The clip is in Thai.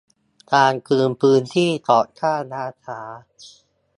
การคืนพื้นที่ก่อสร้างล่าช้า